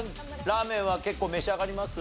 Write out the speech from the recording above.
ラーメンは結構召し上がります？